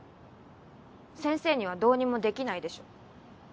先生にはどうにもできないでしょ。